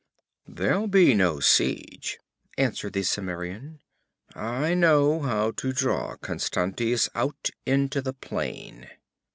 'There'll be no siege,' answered the Cimmerian. 'I know how to draw Constantius out into the plain.'